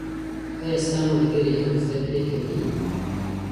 آیا ستا ملګري هم زده کړې کوي؟